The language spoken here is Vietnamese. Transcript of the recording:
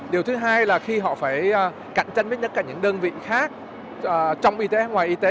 điều thứ hai là khi họ phải cạnh tranh với những đơn vị khác trong y tế hay ngoài y tế